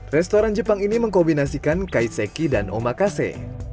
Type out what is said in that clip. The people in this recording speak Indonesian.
restoran jepang ini mengkombinasikan kaiseki dan omakase